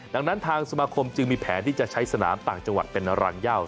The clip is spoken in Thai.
ดังนั้นทางสมาคมจึงมีแผนที่จะใช้สนามต่างจังหวัดเป็นรังย่าว